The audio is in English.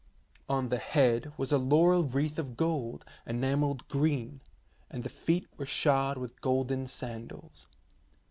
On the head was a laurel wreath of gold enamelled green, and the feet were shod with golden sandals.